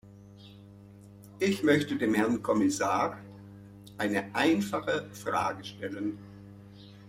Ich möchte dem Herrn Kommissar eine einfache Frage stellen.